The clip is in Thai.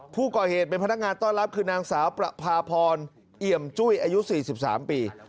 ผู้ก่อเหตุเป็นพนักงานต้อนรับคือนางสาวประพาพรเอี่ยมจุ้ยอายุ๔๓ปี